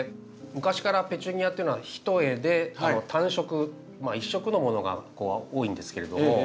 昔からペチュニアっていうのは一重で単色一色のものが多いんですけれども。